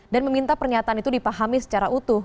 dan meminta pernyataan itu dipahami secara utuh